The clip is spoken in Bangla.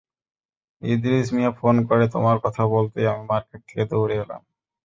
ইদ্রিস মিয়া ফোন করে তোমার কথা বলতেই আমি মার্কেট থেকে দৌড়ে এলাম।